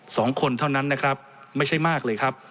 สองคนเท่านั้นนะครับไม่ใช่มากเลยครับ